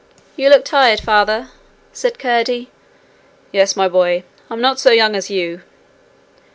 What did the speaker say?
'You look tired, Father,' said Curdie. 'Yes, my boy. I'm not so young as you.'